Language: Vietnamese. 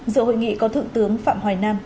giữa hội nghị có thượng tướng phạm hoài nam